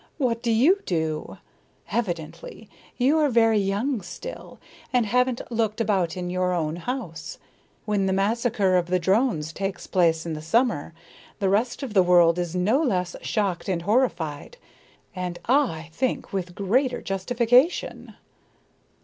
What do you do? Evidently you are very young still and haven't looked about in your own house. When the massacre of the drones takes place in the summer, the rest of the world is no less shocked and horrified, and I think with greater justification."